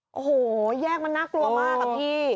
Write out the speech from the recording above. โอ้โหแยกมันน่ากลัวมากอะพี่